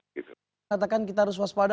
katakan kita harus waspada